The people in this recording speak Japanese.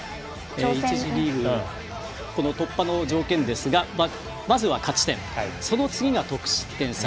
１次リーグ突破の条件ですがまずは勝ち点、その次が得失点差。